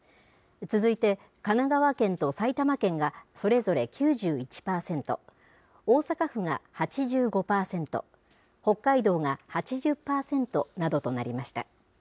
続いて神奈川県と埼玉県がそれぞれ９１％、大阪府が８５％、北海道が８０％などとなりました。